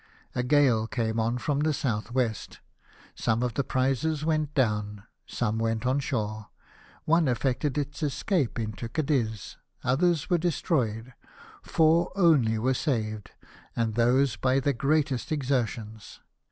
A gale came on from the south Avest ; some of the prizes went down, some went on shore ; one effected its escape into Cadiz, others were destroyed; four only were saved, and those by the greatest exertions.